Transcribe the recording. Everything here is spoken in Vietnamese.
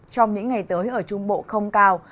trong những ngày tới ở trung bộ không cao